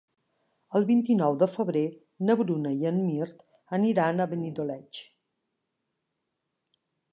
El vint-i-nou de febrer na Bruna i en Mirt aniran a Benidoleig.